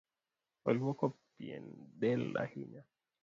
Oluoko pien del ahinya.